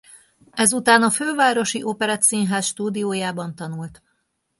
Ezután a Fővárosi Operettszínház stúdiójában tanult.